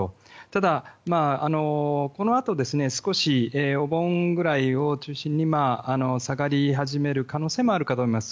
ただ、このあと少しお盆ぐらいを中心に下がり始める可能性もあるかと思います。